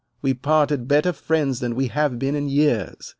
We parted better friends than we have been in years.